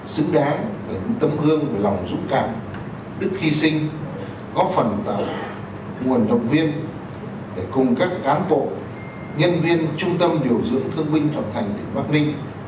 xứng đáng tâm hương lòng dũng cảm đức hy sinh góp phần tạo nguồn động viên để cùng các cán bộ nhân viên trung tâm điều dưỡng thương binh học thành tịnh bắc ninh